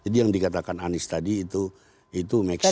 jadi yang dikatakan anies tadi itu itu make sense